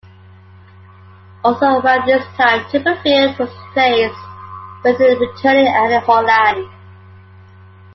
Also around this time Chipperfield was replaced with a returning Annie Holland.